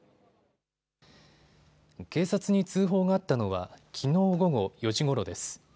警察に通報があったのはきのう午後４時ごろです。